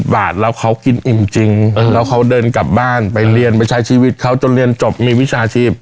บาทแล้วเขากินอิ่มจริงแล้วเขาเดินกลับบ้านไปเรียนไปใช้ชีวิตเขาจนเรียนจบมีวิชาชีพ